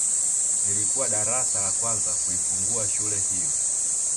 Lilikuwa darasa la kwanza kuifungua shule hiyo